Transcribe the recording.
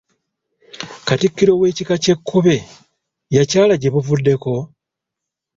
Katikkiro w’ekika ky’ekkobe yakyala gye buvuddeko?